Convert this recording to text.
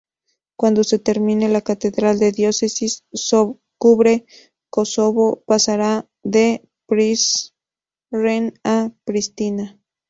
Cuando se termine la catedral, la diócesis cubre Kosovo pasará de Prizren a Pristina.